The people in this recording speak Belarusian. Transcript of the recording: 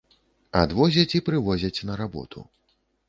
Адвозяць і прывозяць на работу.